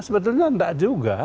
sebetulnya enggak juga